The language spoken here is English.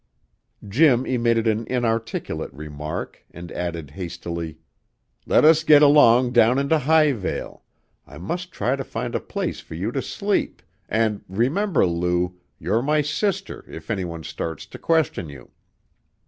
Jim emitted an inarticulate remark, and added hastily: "Let us get along down into Highvale. I must try to find a place for you to sleep, and remember, Lou, you're my sister if anyone starts to question you."